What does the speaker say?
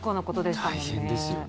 大変ですよね。